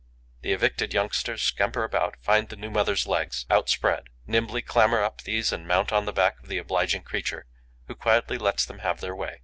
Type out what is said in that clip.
The evicted youngsters scamper about, find the new mother's legs outspread, nimbly clamber up these and mount on the back of the obliging creature, who quietly lets them have their way.